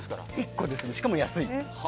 １個で済む、しかも安い。